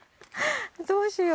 どうしよう。